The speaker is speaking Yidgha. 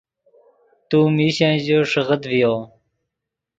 تو میشن ژے ݰیکڑغیت ڤیو